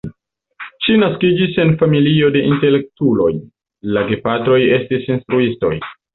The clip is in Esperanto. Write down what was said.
Ŝi naskiĝis en familio de intelektuloj, la gepatroj estis instruistoj.